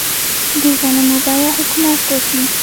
د غنمو بیه حکومت ټاکي؟